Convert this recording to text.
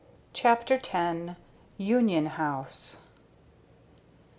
CHAPTER X. UNION HOUSE.